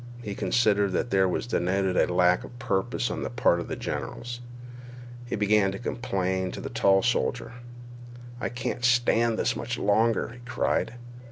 He considered that there was denoted a lack of purpose on the part of the generals. He began to complain to the tall soldier. "I can't stand this much longer," he cried.